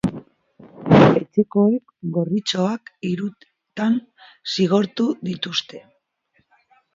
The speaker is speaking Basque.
Etxekoek gorritxoak hirutan zigortu dituzte.